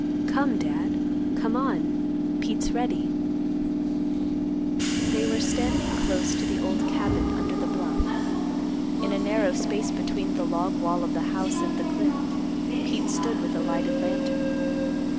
"Come, Dad. Come on, Pete's ready." They were standing close to the old cabin under the bluff. In a narrow space between the log wall of the house and the cliff, Pete stood with a lighted lantern.